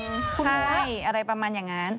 ใช่อะไรประมาณอย่างนั้น